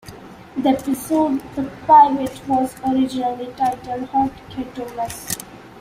The episode "The Pivot" was originally titled "Hot Ghetto Mess.